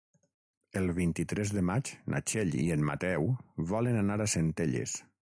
El vint-i-tres de maig na Txell i en Mateu volen anar a Centelles.